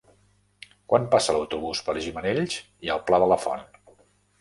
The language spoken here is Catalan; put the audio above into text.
Quan passa l'autobús per Gimenells i el Pla de la Font?